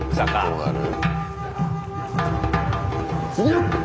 どうなる？